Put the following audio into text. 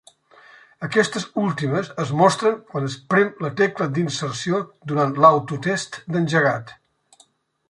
Aquestes últimes es mostren quan es prem la tecla d'inserció durant l'autotest d'engegat.